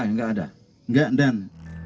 tidak ada tidak dan